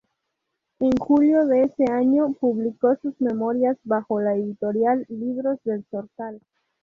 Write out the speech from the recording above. En julio de ese año público sus memorias bajo la editorial Libros del Zorzal.